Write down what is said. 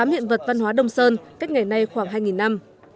tám hiện vật văn hóa đông sơn cách ngày nay khoảng hai năm